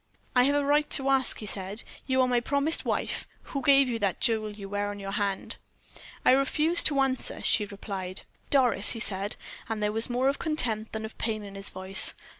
"I have a right to ask," he said. "You are my promised wife. Who gave you the jewel you wear on your hand?" "I refuse to answer you," she replied. "Doris," he said, and there was more of contempt than of pain in his voice.